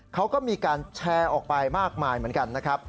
เขาก็มีการแชร์ออกไปมากมายเหมือนกันนะครับ